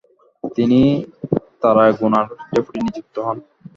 তিনি তারাগোনার ডেপুটি নিযুক্ত হন।